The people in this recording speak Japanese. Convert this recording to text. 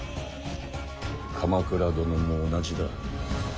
鎌倉殿も同じだ。